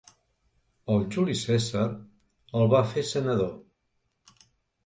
El Juli Cèsar el va fer senador.